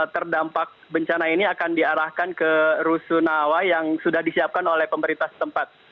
terdampak bencana ini akan diarahkan ke rusunawa yang sudah disiapkan oleh pemerintah setempat